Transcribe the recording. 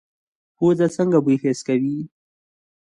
پوزه څنګه بوی حس کوي؟